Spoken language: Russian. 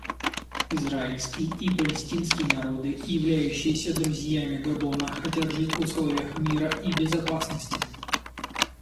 Израильский и палестинский народы, являющиеся друзьями Габона, хотят жить в условиях мира и безопасности.